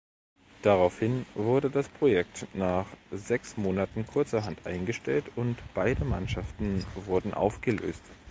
Daraufhin wurde das Projekt nach sechs Monaten kurzerhand eingestellt und beide Mannschaften wurden aufgelöst.